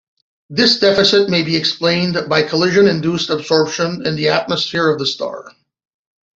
This deficit may be explained by collision-induced absorption in the atmosphere of the star.